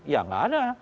ya nggak ada